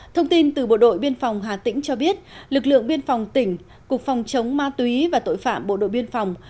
thông tin từ bộ đội biên phòng hà tĩnh cho biết lực lượng biên phòng tỉnh cục phòng chống ma túy và tội phạm bộ đội biên phòng